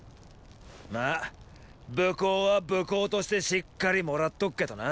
まー武功は武功としてしっかりもらっとくけどな。